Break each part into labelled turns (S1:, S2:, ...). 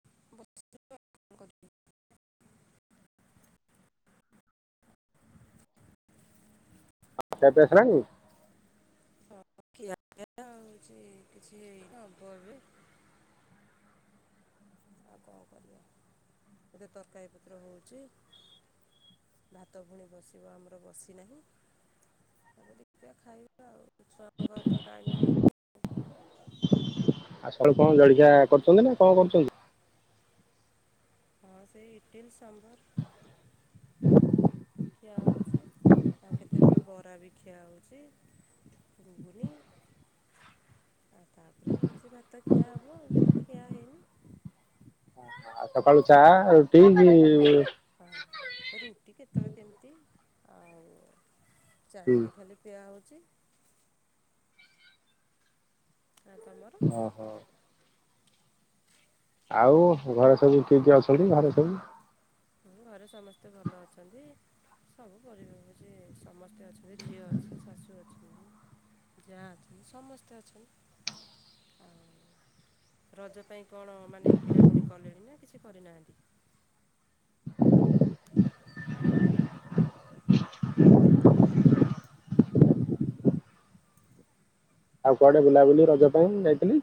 S1: [inaudible]
S2: ଖିଆପିଆ ସଲାଣି?
S1: ଖିଆପିଆ ଆଉ କିଛି ହେଇନି ହବ ଏବେ। ଆଉ କଣ କରିବା। ଭାତ ପୁଣି ବସିବ ଆମର ବସିନାହିଁ। ତାପରେ ଦେଖିବା ଖାଇବା ଆଉ [unintelligible] ଟାଇମ୍ ହଉନି।
S2: ଆଜି ସକାଳୁ କଣ ଜଳିଖିଆ କରିଚନ୍ତି ନା କଣ କରୁଚନ୍ତି?
S1: ହଁ ସେଇ ଇଟିଲ୍, ସମ୍ଭର୍। ଖିଆ‌ ହଉଚି। ଆଉ କେତେବେଳେ ବରା ବି ଖିଆ ହଉଚି ଘୁଗୁନି। ଆଉ ତାପରେ ହେଉଛି ଭାତ ଖିଆ ହବ ଏବେ ତ ଖିଆ ହେଇନି।
S2: ଆଉ ସକାଳୁ ଚାହା ରୁଟି [unintelligible]
S1: ହଁ ରୁଟି କେତେବେଳେ କେମିତି ଆଉ ଚା ଖାଲି ଖିଆହୋଉଛି। ଆଉ ତମର
S2: [inaudible] ଆଉ ଘରେ ସବୁ କିଏ କିଏ ଅଛନ୍ତି ଘରେ ସବୁ?
S1: ଘରେ ସମସ୍ତେ ଭଲ ଅଛନ୍ତି। ସବୁ ପରିବାର ମିଶି ସମସ୍ତେ ଅଛନ୍ତି ଝିଅ ଅଛି ଶାଶୁ ଅଛନ୍ତି। ଯା ଅଛି ସମସ୍ତେ ଅଛନ୍ତି। ରଜ ପାଇଁ କଣ ମାନେ କିଣାକୁଣି କଲେଣି ନା କିଛି କରିନାହାନ୍ତି?
S2: [inaudible]
S1: [inaudible]
S2: ଆଉ କୁଆଡେ ବୁଲାବୁଲି ରଜ ପାଇଁ ଯାଇଥିଲି?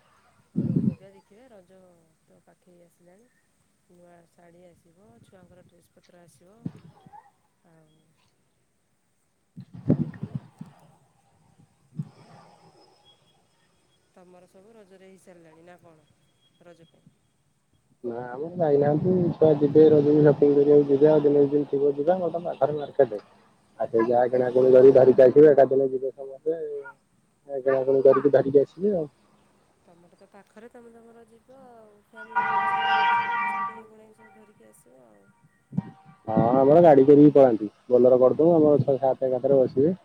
S1: ହଁ ଯିବା ଦେଖିବା ରଜ ତ ପାଖେଇ ଆସିଲାଣି। ନୂଆ ଶାଢ଼ୀ ଆସିବ ଛୁଆଙ୍କର ଡ୍ରେସ୍ ପତ୍ର ଆସିବ। ଆଉ ଆଣିକି ଏମିତିଆ। ତମର ସବୁ ରଜରେ ହେଇସାରିଲାଣି ନା କଣ ରଜ ପାଇଁ?
S2: ନା ଯାଇନାହାନ୍ତି ଛୁଆ ଯିବେ ରଜକୁ ସପିଙ୍ଗ କରିବାକୁ ଯିବେ, ଆଉ ଦିନ ଦିନ ଥିବ ଯିବା ନହେଲ ଆମ ତ ପାଖରେ ମାର ଆଉ ସେ ଯାହା କିଣିକିଣି କରି ଧରିକି ଆଇଥିବେ ଏକା ଦିନେ ଯିବେ ସମସ୍ତେ। କିଣାକିଣି କରିକି ଧରିକି ଆସିବେ ଆଉ।
S1: ତମର ତ ପାଖରେ ତମେ ତମର ଯିବ ଆଉ। ଫ୍ୟାମିଲି ଏକାସାଙ୍ଗରେ ନେଇକି ଯିବ ପଛେ କିଣିକୁଣାକି ସବୁ ଧରିକି ଆସିବ ଆଉ।
S2: ହଁ ଆମର ଗାଡି କରିକି ପଳାନ୍ତି ବୋଲେର କରିଦବୁ ଆମର ଛ ସାତ ଏକାଥରେ ବସିବେ।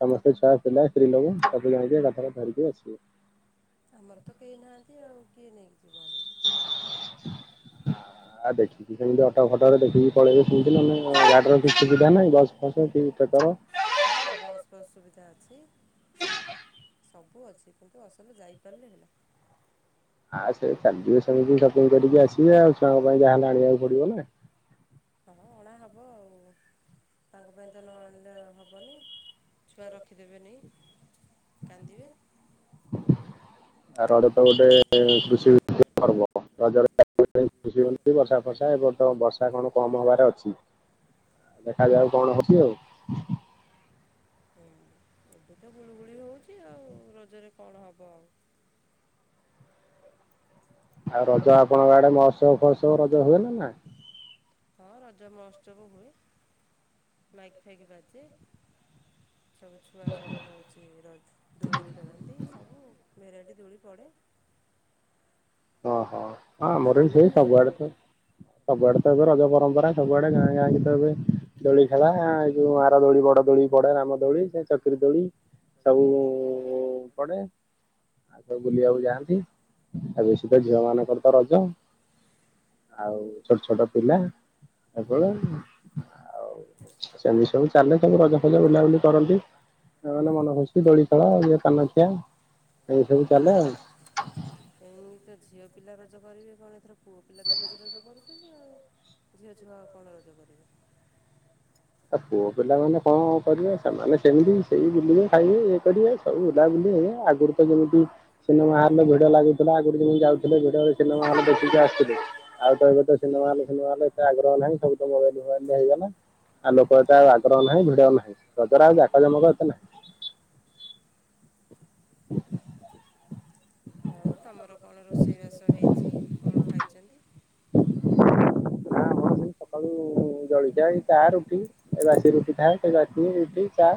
S2: ସମସ୍ତେ ଛୁଆ ପିଲା ସ୍ତ୍ରୀ ଲୋକ ସବୁ ଜାଇକି ଏକାଥରେ ଧରିକି ଆସିବୁ।
S1: ଆମର ତ କେହି ନାହାନ୍ତି ଆଉ କିଏ ନେଇକି ଯିବ, ଆମେ
S2: ହଁ ଦେଖି ସେମିତି ଅଟୋ ଫଟୋରେ ଦେଖିକି ପଳେଇବେ ସେମିତି ନହେ ଗାଡିର କିଛି ସୁବିଧା ନାହିଁ ବସ୍ ଫସ୍ କି ଟକର
S1: ହଁ ବସ୍ ବସ୍ ସୁବିଧା ଅଛି। ସବୁ ଅଛି କିନ୍ତୁ ଅସଲ ଯାଇପାରିଲି ହେଲା।
S2: ଆଁ ସେ ଚାଲିଯିବେ ସେମିତି ସପିଙ୍ଗ କରିକି ଆସିବେ ଆଉ ଛୁଆ ପାଇଁ ଯାହା ହେଲେ ଆଣିବାକୁ ପଡିବ ନା।
S1: ହଁ ଅଣ ହବ ହବ ଆଉ ତାଙ୍କ ପାଇଁ ତ ନ ଆଣିଲେ ହେବନି ଛୁଆ ରଖିଦେବେନି। କାନ୍ଦିବେ
S2: ଆ ରଜ ତ ଗୋଟେ କୃଷି ପର୍ବ ରଜ ଖୁ ବର୍ଷା ଫର୍ଷା ଏର୍ ତ ବର୍ଷା କଣ କମ ହବାର ଅଛି। ଦେଖାଯାଉ କଣ ହଉଛି ଆଉ
S1: ହ ଏବେ ତ ଗୁଳୁଗୁଳି ହେଉଛି ଆଉ ରଜରେ କଣ ହେବ ଆଉ।
S2: ଆଉ ରଜ ଆପଣଙ୍କ ଆଡେ ମସବ ମହୋସବ ଫସବ ରଜ ହୁଏ ନା
S1: ହଁ ରଜ ମହୋତ୍ସବ ହୁଏ ମଇକି ଫାଇକି ବାଜେ। ସବୁ ଛୁଆ ସବୁ ହେଉଛି ର ଦୋଳି ଖେଳନ୍ତି ସବୁ ଭେରାଇଟି ଦୋଳି ପଡ଼େ।
S2: ଓହୋ ହଁ ଆମର ସେଇ ସବୁଆଡେ ତ ସବୁଆଡେ ତ ଏବେ ରଜ ପରମ୍ପରା ସବୁଆଡେ ଗାଁ ଗାଁ କି ତ ଏବେ ଦୋଳି ଖେଳା ଏ ଯୋଉ ଆର ଦୋଳି ବଡ ଦୋଳି। ବଡ ରାମ ଦୋଳି ସେ ଚକିରି ଦୋଳି ସବୁ ପଡେ। ଆଉ ସବୁ ବୁଲିବାକୁ ଯାଆନ୍ତି ଆ ବେଶୀ ତ ଝିଅ ମାନଙ୍କର ତ ରଜ। ଆଉ ଛୋଟ ଛୋଟ ପିଲା ଏସବୁ ଉଁ ଆଉ ସେମିତି ସବୁ ଚାଲେ ସବୁ ରଜ ପିଲେ ବୁଲାବୁଲି କରନ୍ତି ଏ ମନ ଖୁସି ଦୋଳି ଖେଳା ଇଏ ପାନଖିଆ। ଏଇ ସବୁ ଚାଲେ ଆଉ।
S1: ଏମିତି ଝିଅ ପିଲା ରଜ କରିବେ କଣ ଏଥର ପୁଅ ପିଲା ତ ବେଶୀ ରଜ କରୁ ସେମିତି ଆଉ ଝିଅ ଛୁଆ କଣ ରଜ କରିବେ।
S2: ଆ ପୁଅ ପିଲାମାନେ କଣ କରିବେ ସେମାନେ ସେମିତି ସେଇ ବୁଲିବେ ଖାଇବେ ଇଏକରିବେ ସବୁ ବୁଲାବୁଲି ହେ ଆଗରୁ ତ ଯେମିତି ସିନେମା ହଲ ରେ ଭିଡ ଲାଗୁଥିଲା ଆଗରୁ ଯେମିତି ଯାଉଥିଲେ ଭିଡ ସିନେମା ହଲ୍ ଦେଖିକି ଆସୁଥିଲେ। ଆଉ ତ ଏବେ ତ ସିନେମା ହଲ ସିନେମାହଲେ ଏତେ ଆଗ୍ରହ ନାହିଁ ସବୁ ତ ମୋବାଇଲ ଫୋବାଇଲ ହେଇଗଲା। ଆଉ ଲୋକ ଏତେ ଆଉ ଆଗ୍ରହ ନାହିଁ ଭିଡ ନାହିଁ ରଜର ଆଉ ଜାକ ଜମକ ଏତେ ନାହିଁ।
S1: ଆଉ ତମର କଣ ରୋଷେଇବାସ ହେଇଛି କଣ ଖାଇଛନ୍ତି? ଏ ଆମର ଖାଲି ସକାଳୁ
S2: ଆଉ ଜଳଖିଆ ଏ ଚା ରୁଟି ଏ ବାସି ରୁଟି ଥାଏ ଏ ବାସି ରୁଟି ଚା।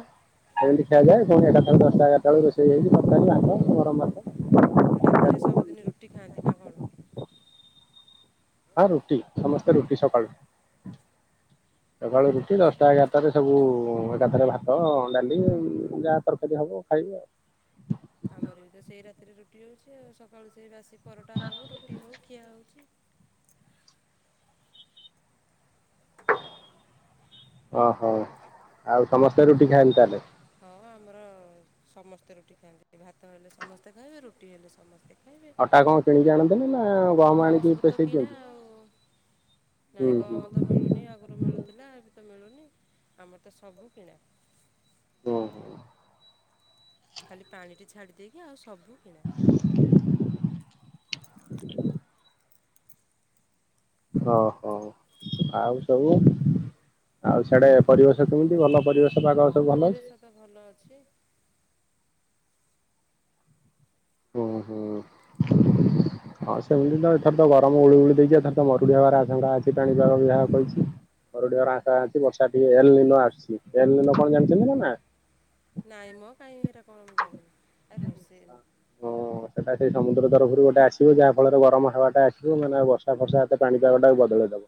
S2: ସେମିତି ଖିଆଯାଏ ପୁଣି ଏକାଥରେ ଦସଟା ଏଗାରଟା ବେଳକୁ ରୋଷେଇ ହେଇକି ତରକାରୀ ଭାତ ଗରମଭାତ
S1: ଆଉ ରାତିରେ ସବୁଦିନି ରୁଟି ଖାଆନ୍ତି ନା କଣ?
S2: ହଁ ରୁଟି ସମସ୍ତେ ରୁଟି ସକାଳୁ।
S1: [inaudible]
S2: ସକାଳୁ ରୁଟି ଦଶଟା ଏଗାରଟାରେ ସବୁ ଏକଥାରେ ଭାତ ଡାଲି ଯା ତରକାରୀ ହବ ଖାଇବେ ଆଉ
S1: ଆମର ବି ତ ସେଇ ରାତିରେ ରୁଟି ହେଉଛି ଆଉ ସକାଳୁ ସେଇ ବାସି ପରଟା ହଉ ରୁଟି ହଉ ଖିଆ ହେଉଛି।
S2: ଓହୋ ଆଉ ସମସ୍ତେ ରୁଟି ଖାଆନ୍ତି ତାହେଲେ?
S1: ହଁ ଆମର ସମସ୍ତେ ରୁଟି ଖାଆନ୍ତି ଭାତ ହେଲେ ସମସ୍ତେ ଖାଇବେ ରୁଟି ହେଲେ ସମସ୍ତେ ଖାଇବେ ଅଟା କଣ କିଣିକି ଆଣନ୍ତି ନାଁ ଗହମ ହଁ ସବୁ ତ କିଣା ଆଉ। ନାଇଁ ଗହମ ତ ମିଳୁନି ଆଗରୁ ମିଳୁଥିଲା ଏବେ ତ ମିଳୁନି ଆମର ତ ସବୁ କିଣା।
S2: ଓହୋ।
S1: ଖାଲି ପାଣିଟି ଛାଡ଼ିଦେଇକି ଆଉ ସବୁ କିଣା।
S2: ଓହୋ ଆଉ ସବୁ? ଆଉ ସିଆଡେ ପରିବେଶ କେମିତି ଭଲ ପରିବେଶ।
S1: ହଁ ପରିବେଶ ତ ଭଲ ଅଛି।
S2: ହୁଁ ହୁଁ ହସ ସେମିତି ତ ଏଥର ତ ଗରମ ଗୁଳୁ ଗୁଳି ଦେଇକି ଏଥର ତ ମରୁଡି ହବାର ଆଶଙ୍କା ଅଛି ପାଣିପାଗ ବିଭାଗ କହିଛି। ମରୁଡି ହବାର ଆସା ଆଛି ବର୍ଷା ଟିକେ ଏଲ ଲିନ ଆସୁଛି ଏଲ ଲିନ କଣ ଯାଣିଛନ୍ତି ନା?
S1: ନାଇଁମ କାଇଁ ହେରା କଣ ମୁଁ ଜାଣିନି ଆଉ ରୋଷେଇ ନ
S2: ସେଟା ସେଇ ସମୁଦ୍ର ତରଫରୁ ଗୋଟେ ଆସିବ ଯାହା ଫଳରେ ଗରମ ହେବାଟା ଆସିବ ମାନେ ବର୍ଷା ଫର୍ଷା ସେ ପାଣିପାଗ ଟାକୁ ବଦଳେଇଦବ।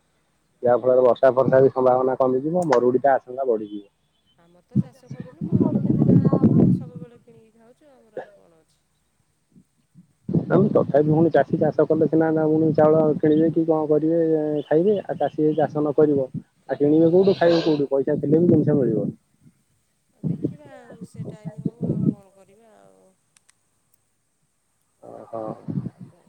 S2: ଯାହା ଫଳରେ ବର୍ଷା ଫର୍ଷା ବି ସମ୍ଭାବନା କମିଯିବ ମରୁଡିଟା ଆଶଙ୍କା ବଢିଯିବ।
S1: ଆମର ତ ଚାଷ କରୁନି ମରୁଡ଼ି ତାର ଯାହା ହବ ଆମେ ତ ସବୁବେଳେ କିଣିକି ଖାଉଛୁ ଆମର ଆଉ କଣ ଅଛି।
S2: ନାମ ତଥାପି ପୁଣି ଚାଷୀ ଚାଷ କଲେ ସିନା [unintelligible] ଚାଉଳ କିଣିବେ କି କଣ କରିବେ ଖାଇବେ ଆଉ ଚାଷୀ ଯଦି ଚାଷ ନ କରିବ ଆଉ କିଣିବେ କୋଉଠୁ ଖାଇବେ କଉଠୁ ପଇସାଥିଲେ ବି ଜିନିଷ ମିଳିବନି।
S1: ଦେଖିବା ଆଉ ସେ ଟାଇମ୍ ହଉ ଆଉ କଣ କରିବା ଆଉ।
S2: ଓହୋ।
S1: ଆଉ କଣ?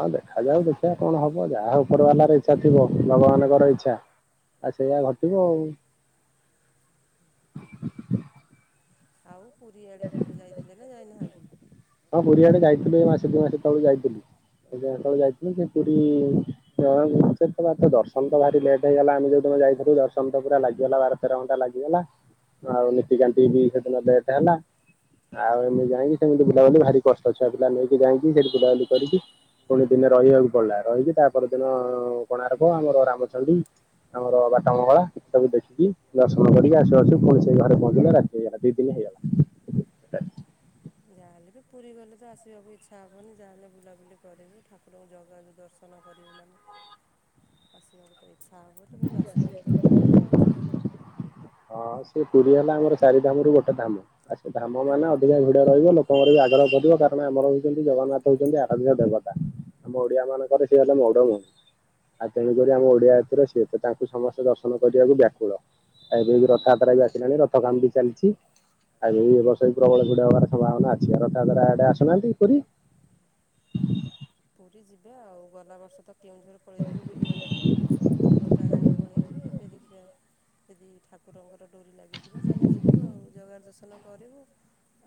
S2: ହଁ ଦେଖାଯାଉ ଦେଖିବା କଣ ହବ ଯାହା ଉପରବାଲା ର ଇଚ୍ଛା ଥିବ ଭଗବାନଙ୍କର ଇଚ୍ଛା ଆ ସେଇଆ ଘଟିବ ଆଉ।
S1: ଆଉ ପୁରୀ ଆଡେ କେବେ ଯାଇଥିଲେ ନା ଯାଇନାହାନ୍ତି?
S2: ହଁ ପୁରୀ ଆଡେ ଯାଇଥିଲ ଏଇ ମାସେ ଦି ମାସେ ତଳେ ଯାଇଥିଲି। [unintelligible] ତଳେ ଯାଇଥିଲି ସେ ପୁରୀ [unintelligible] ସେ ତ ଦର୍ଶନ ତ ଭାରି ଲେଟ୍ ହେଇଗଲା ଆମେ ଯୋଉଦିନ ଯାଇଥିଲୁ, ଦର୍ଶନ ତ ପୁରା ଲାଗିଗଲା ବାର ତେର ଘଣ୍ଟା ଲାଗିଗଲା।
S1: [inaudible]
S2: ଆଉ ନୀତିକାନ୍ତି ବି ସେଦିନ ଲେଟ୍ ହେଲା, ଆଉ ଏମିତି ଯାଇଁକି ସେମିତି ବୁଲାବୁଲି ଭାରି କଷ୍ଟ। ଛୁଆ ପିଲା ନେଇକି ଯାଇଁକି ସେଇଠି ବୁଲାବୁଲି କରିକି ପୁଣି ଦିନେ ରହିବାକୁ ପଡିଲା, ରହିକି ତା ପରଦିନ କଣାର୍କ ଆମର ରାମଚଣ୍ଡୀ ଆମର ବାଟ ମଙ୍ଗଳା ସବୁ ଦେଖିକି ଦର୍ଶନ କରିକି ଆସୁ-ଆସୁ ପୁଣି ସେଇ ଘରେ ପହଞ୍ଚିଲା ରାତି ହେଇଗଲା, ଦି ଦିନ ହେଇଗଲା।
S1: ଯାହେଲେ ବି ପୁରୀ ଗଲେ ତ ଆସିବାକୁ ଇଚ୍ଛା ହେବନି, ଯାହେଲେ ବୁଲାବୁଲି କରିବୁ ଠାକୁରଙ୍କୁ ଜାଗା ଦର୍ଶ ନ କରିବୁ ମାନେ ଆସିବାକୁ ତ ଇଚ୍ଛା ହବନି କିନ୍ତୁ ଆସିବାକୁ ତ ପଡ଼ିବ ଆଉ ଯିବ କୁଆଡେ।
S2: ହଁ ସେ ପୁରୀ ହେଲା ଆମର ଚାରି ଧାମରୁ ଗୋଟେ ଧାମ। ଆ ସେ ଧାମ ମାନେ ଅଧିକା ଭିଡ ରହିବ ଲୋକଙ୍କର ବି ଆଗ୍ରହ ବଢିବ କାରଣ ଆମର ହଉଚନ୍ତି ଜଗନ୍ନାଥ ହଉଚନ୍ତି ଆରାଧ୍ୟ ଦେବତା, ଆମ ଓଡିଆ ମାନଙ୍କରେ ସେଏ ହେଲେ ମଉଡ଼ମଣି। ଆଉ ତେଣୁକରି ଆମ ଓଡିଆ ଜତିର ସିଏ ତ ତାଙ୍କୁ ସମସ୍ତେ ଦର୍ଶନ କରିବାକୁ ବ୍ୟାକୁଳ ଆଉ ଏବେ ର ଥଯାତ୍ରା ବି ଆସିଲାଣି ରଥ କାମ ବି ଚାଲିଚି। ଆଉ ଏଇ ବର୍ଷ ବି ପ୍ରବଳ ଭିଡ ହବାର ସମ୍ଭାବନା ଅଛି, ଆଉ ରଥାଯାତ୍ରା ଆଡେ ଆସୁନାହାନ୍ତି ପୁରୀ।
S1: [inaudible] ପୁରୀ ଯିବେ ଆଉ, ଗଲାବର୍ଷ ତ କେଉଁଝର ପଳେଇଥିଲୁ ବୁଲିବାକୁ ରଥ ଟାଣିବାକୁ ପଳେଇଥିଲୁ, ଏବେ ଦେଖିବା ଯଦି ଠାକୁରଙ୍କର ଡୋରି ଲାଗିଥିବ ତାହେଲେ ଯିବୁ ଆଉ, ଜଗା ଦର୍ଶନ କରିବୁ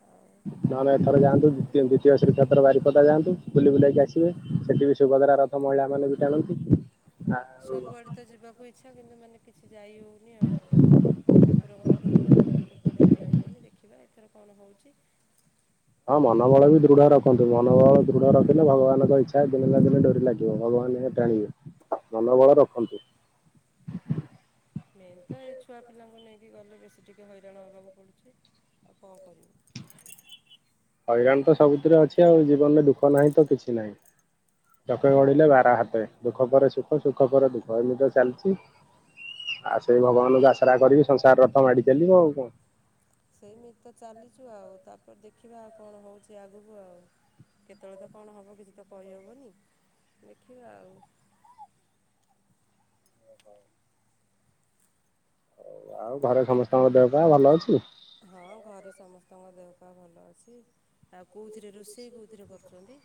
S1: ଆଉ
S2: ନହେନେ ଏଥର ଯାଆନ୍ତୁ [unintelligible] [unintelligible] ବାରିପଦା ଯାଆନ୍ତୁ ବୁଲି ବୁଲାଇକି ଆସିବେ, ସେଠି ବି ସୁଭଦ୍ରା ରଥ ମହିଳାମାନେ ବି ଟାଣନ୍ତି।
S1: ସବୁଆଡ଼େ ତ ଯିବାକୁ ଇଚ୍ଛା କିନ୍ତୁ ମାନେ କିଛି ଯାଇ ହେଉନି ଆଉ, ଠାକୁରଙ୍କର ଡୋରି ନ ଲାଗିଲେ ତ କୁଆଡ଼େ ଯାଇ ହବନି ଦେଖିବା ଏ ଥର କଣ ହେଉଚି।
S2: ହଁ ମନୋବଳ ବି ଦୃଢ଼ ରଖନ୍ତୁ ମନୋବଳ ଦୃଢ଼ ରଖିଲେ ଭଗବାନଙ୍କ ଇଚ୍ଛା ଦିନେ ନା ଦିନେ ଡେରି ଲାଗିବ, ଭଗବାନ୍ [unintelligible] [unintelligible] ମନୋବଳ ରଖନ୍ତୁ।
S1: ମେନ୍ ତ ଏଇ ଛୁଆ ପିଲାଙ୍କୁ ନେଇକି ଗଲେ ବେଶୀ ଟିକେ ହଇରାଣ ହେବାକୁ ପଡ଼ୁଚି, ଆଉ କଣ କରିବୁ।
S2: ହଇରାଣ ତ ସବୁଥିରେ ଅଛି ଆଉ ଜୀବନରେ ଦୁଃଖ ନାହିଁ ତ କିଛି ନାହିଁ, ଚକେ ଗଡିଲେ ବାର ହାତେ ଦୁଃଖ ପରେ ସୁଖ-ସୁ ଖ ପରେ ଦୁଃଖ ଏମିତି ତ ଚାଲିଚି, ଆଉ ସେଇ ଭଗବାନ୍ ଙ୍କୁ ଆଶ୍ରା କରିକି ସଂସାର ରଥ ମାଡି ଚାଲିବ ଆଉ କଣ।
S1: ସେଇମିତି ତ ଚାଲିଚୁ ଆଉ, ତାପରେ ଦେଖିବା କଣ ହଉଚି ଆଗକୁ ଆଉ। କେତବଳେ ତ କଣ ହବ କିଛି ତ କହି ହବନି ଦେଖିବା ଆଉ।
S2: ଆଉ ଘରେ ସମସ୍ତଙ୍କ ଦେହ ପା ଭଲ ଅଛି?
S1: ହଁ ଘରେ ସମସ୍ତଙ୍କ ଦେହପା ଭଲ ଅଛି। ଆଉ କୋଉଥିରେ ରୋଷେଇ କୋଉଥିରେ କରୁଚନ୍ତି।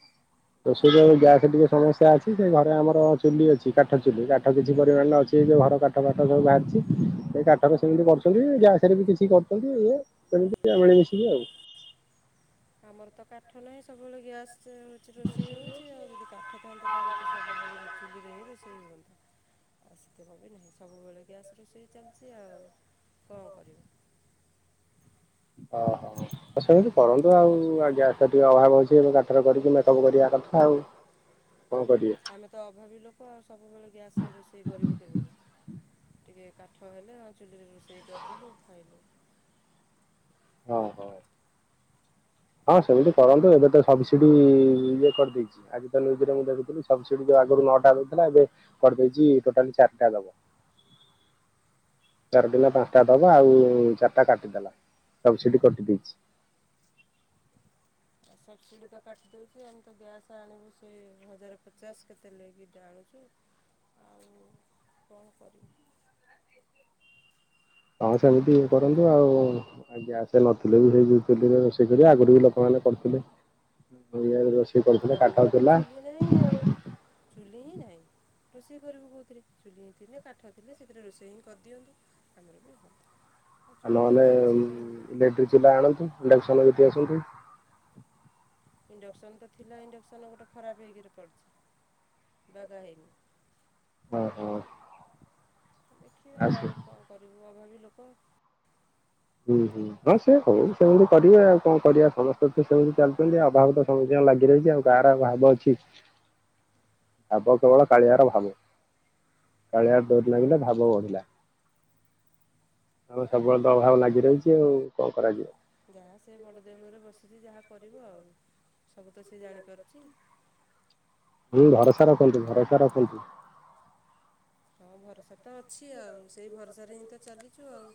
S2: ରୋଷେଇ ତ ଏବେ ଗ୍ୟାସ୍ ଟିକେ ସମସ୍ୟା ଅଛି, ସେ ଘରେ ଆମର ଚୁଲି ଅଛି କା କାଠ ଚୁଲି କାଠ କିଛି ପରିମାଣରେ ଅଛି ଏ ଯୋଉ ଘର କାଠ ବା କାଠ ସବୁ ବାହାରିଛି ସେ କାଠରେ ସେମିତି କରୁଚନ୍ତି ଗ୍ୟାସରେ ବି କିଛି କରୁଚନ୍ତି ଏଇଆ। ସେମିତି ଆଉ ମିଳି ମିଶିକି ଆଉ।
S1: ଆମର ତ କାଠ ନାହିଁ ସବୁବେଳେ ଗ୍ୟାସ କି ରୋଷେଇ ହେଉଛି ଆଉ ଯଦି କାଠ ଥାଆନ୍ତା ତାହାଲେତ ସବୁବେଳେ ଚୁଲିରେ ହିଁ ରୋଷେଇ ହୁଅନ୍ତା। ଆଉ ସେତିକ ବି ନାହିଁ ସବୁବେଳେ ଗ୍ୟାସ ରୋଷେଇ ଚାଲିଚି ଆଉ କଣ କରିବା।
S2: ଓହୋ ତ ସେମିତି କରନ୍ତୁ ଆଉ ଆଉ ଗ୍ୟାସ ଟିକେ ଅଭାବ ହେଉଚି ବୋଲି କାଠରେ କରିକି ମେକଅପ୍ କରିବା କଥା ଆଉ କଣ କରିବେ।
S1: ଆମେ ତ ଅଭାବୀ ଲୋକ ଆଉ ସବୁବେଳେ ଗ୍ୟାସରେ ରୋଷେଇ କରିବୁ କେମିତି। ଟିକେ କାଠ ହେଲେ ଆ ଚୁଲିରେ ରୋଷେଇ କରିଦେଲୁ ଖାଇଲୁ।
S2: ଓ ହୋ। ହଁ ସେମିତି କରନ୍ତୁ ଏବେ ତ ସବସିଡି ଇଏ କରିଦେଇଚି ଆଜି ତ ନୀଉଜ଼ରେ ମୁଁ ଦେଖୁଥିଲି ସବ ସିଡ ଯୋଉ ଆଗରୁ ନଅଟା ଦୋଉଥିଲା ଏବେ କରିଦେଇଚି ଟୋଟାଲି ଚାରିଟା ଦବ। ଚାରି ଦିନ ପାଞ୍ଚଟା ଦବା ଆଉ ଚାରିଟା କାଟିଦେଲା ସବସିଡି କଟି ଦେଇଚି।
S1: ଆଉ ସବସିଡି ତ କାଟିଦଉଛି ଆମେ ତ ଗ୍ୟାସ୍ ଆଣିବୁ ସେ ହଜାର ପଚାଶ କେତେ ଲାଗି ଜଳୁଚୁ ଆଉ କଣ କରିବୁ।
S2: ହଁ ସେମିତି କରନ୍ତୁ ଆଉ ଆଉ ଗ୍ୟାସ ନଥିଲେ ବି ସେଇଚୁଲିରେ ରୋଷେଇ କରିବେ ଆଗରୁ ବି ଲୋକମାନେ କରୁଥିଲେ [unintelligible]
S1: ଆମର ତ ଚୁଲି ନାହିଁ ଆଉ ଚୁଲି ହିଁ ନାହିଁ। ରୋଷେଇ କରିବୁ କୋଉଥିରେ ଚୁଲି ହିଁ ଥିଲେ କାଠ ଥିଲେ ସେଥିରେ ରୋଷେଇ ହିଁ କରିଦିଅନ୍ତୁ ଆମର [unintelligible]
S2: ଆ ନହେଲେ ଇଲେକ୍ଟ୍ରିକ ଚୁଲା ଆଣନ୍ତୁ ଇଣ୍ଡକ୍ସନ ଘିତି ଆସନ୍ତୁ।
S1: ଇଣ୍ଡକ୍ସନ ତ ଥିଲା ଇଣ୍ଡକ୍ସନ ଗୋଟେ ଖରାପ ହେଇକିରି ପଡ଼ିଛି। ବାଗା ହେଇନି।
S2: ହ ହୋ।
S1: ଦେଖିବା ଆଉ କଣ କରିବୁ ଅଭାବି ଲୋକ।
S2: ହୁଁ ହୁଁ। ହଁ ସେ ହଉ ସେମିତି କରିବେ ଆଉ କଣ କରିବା ସମସ୍ତେ ସେମିତି ଚାଲୁଚନ୍ତି ଅଭାବ ତ ସମସ୍ତଙ୍କର ଲାଗି ରହିଚି ଆଉ। କାହାର ଆଉ ଭାବ ଅଛି। ଭାବ କେବଳ କାଳିଆର ଭାବ। କଳିଆର ଡୋରି ଲାଗିଲା ଭାବ ବଢିଲା। ଆମର ସବୁବେଳେ ତ ଅଭାବ ଲାଗି ରହିଚି ଆଉ କଣ କରାଯିବ।
S1: ଯାହା ସେ ବଡ଼ ଦେଉଳରେ ବସିଚି ଯାହା କରିବ ଆଉ ସବୁ ତ ସେ ଜାଣିପାରୁଚି।
S2: ହୁଁ ଭରସା ରଖନ୍ତୁ ଭରସା ରଖନ୍ତୁ।
S1: ହଁ ଭରସା ତ ଅଛି ଆଉ ସେଇ ଭରସାରେ ହିଁ ତ ଚାଲିଚୁ ଆଉ।